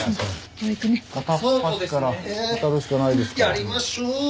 やりましょう。